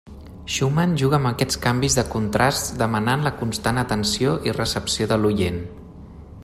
Schumann juga amb aquests canvis de contrasts demanant la constant atenció i recepció de l'oient.